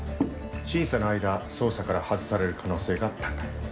審査の間捜査から外される可能性が高い。